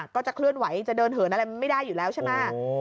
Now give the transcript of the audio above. ก็จะเคลื่อนไหวจะเดินเหินอะไรไม่ได้อยู่แล้วใช่ไหม